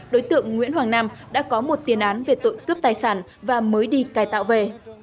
đối tượng nguyễn hoàng nam đã có một tiền án về tội cướp tài sản và mới đi cài tạo về